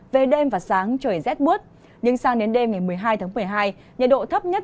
về đêm và sáng trời rét bút nhưng sang đến đêm ngày một mươi hai tháng một mươi hai nhiệt độ thấp nhất